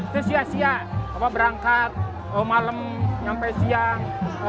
terus sia sia berangkat malam sampai siang